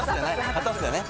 「果たす」だね。